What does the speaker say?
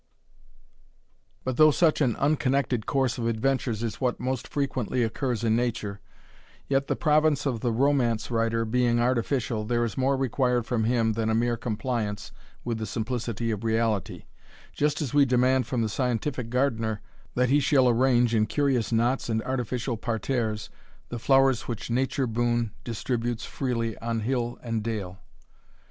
But though such an unconnected course of adventures is what most frequently occurs in nature, yet the province of the romance writer being artificial, there is more required from him than a mere compliance with the simplicity of reality, just as we demand from the scientific gardener, that he shall arrange, in curious knots and artificial parterres, the flowers which "nature boon" distributes freely on hill and dale.